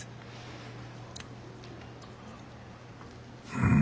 うん。